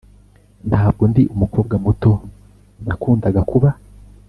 ntabwo ndi umukobwa muto nakundaga kuba